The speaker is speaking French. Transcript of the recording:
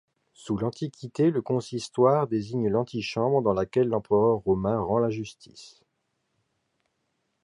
Sous l'antiquité, le consistoire désigne l'antichambre dans laquelle l'empereur romain rend la justice.